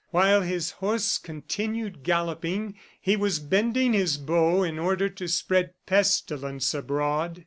While his horse continued galloping, he was bending his bow in order to spread pestilence abroad.